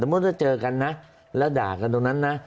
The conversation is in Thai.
มุติถ้าเจอกันนะแล้วด่ากันตรงนั้นนะ